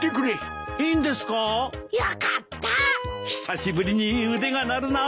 久しぶりに腕が鳴るな。